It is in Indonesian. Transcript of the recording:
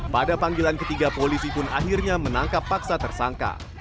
pada panggilan ketiga polisi pun akhirnya menangkap paksa tersangka